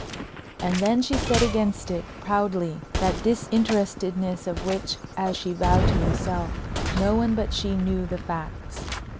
And then she set against it, proudly, that disinterestedness of which, as she vowed to herself, no one but she knew the facts.